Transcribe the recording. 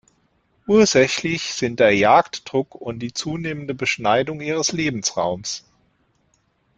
Ursächlich sind der Jagddruck und die zunehmende Beschneidung ihres Lebensraums.